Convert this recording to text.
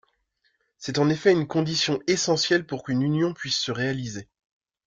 C'est en effet une condition essentielle pour qu'une union puisse se réaliser.